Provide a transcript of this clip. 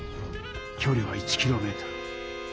きょりは１キロメートル。